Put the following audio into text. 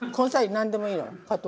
何でもいいって。